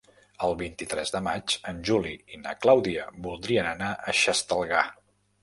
El vint-i-tres de maig en Juli i na Clàudia voldrien anar a Xestalgar.